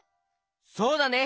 そうだね！